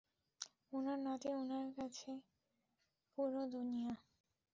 উনার নাতি উনার কাছে পুরো দুনিয়া।